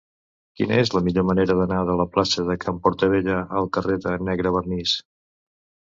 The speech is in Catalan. Quina és la millor manera d'anar de la plaça de Can Portabella al carrer de Negrevernís?